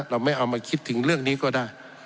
เราไม่เอามาคิดถึงเรื่องนี้ก็ได้